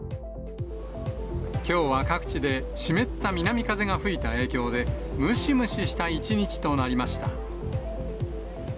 きょうは各地で湿った南風が吹いた影響で、ムシムシした一日となりました。